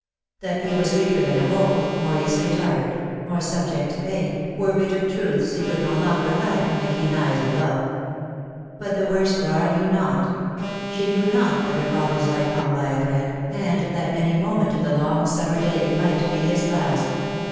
That he was weaker than of old, more easily tired, more subject to pain, were bitter truths he could no^'longer hide from the keen eyes of love. But the worst Flora knew not. She knew not that her father's life hung by a thread, and that any moment of the long summer day might be his last.